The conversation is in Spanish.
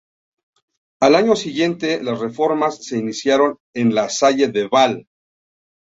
Al año siguiente las reformas se iniciaron en la "Salle de Bal".